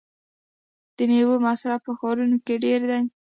د میوو مصرف په ښارونو کې ډیر دی.